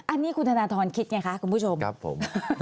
อันนี้คุณธนาธรณ์คิดไงคะคุณผู้ชม